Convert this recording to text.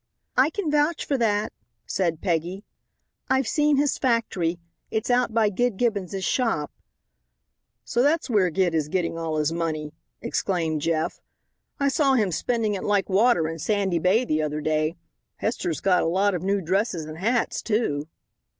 "I can vouch for that," said Peggy. "I've seen his factory. It's out by Gid Gibbons's shop." "So that's where Gid is getting all his money," exclaimed Jeff. "I saw him spending it like water in Sandy Bay the other day. Hester's got a lot of new dresses and hats, too."